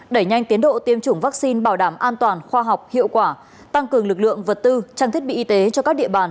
đẩy nhanh tiến độ tiêm chủng vaccine bảo đảm an toàn khoa học hiệu quả tăng cường lực lượng vật tư trang thiết bị y tế cho các địa bàn